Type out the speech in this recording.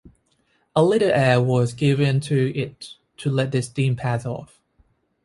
A little air was given to it to let the steam pass off.